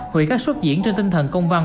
hủy các xuất diễn trên tinh thần công văn